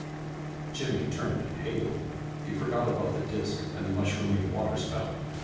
Jimmy turned pale. He forgot about the disk and the mushrooming water spout.